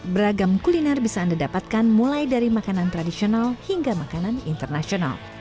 beragam kuliner bisa anda dapatkan mulai dari makanan tradisional hingga makanan internasional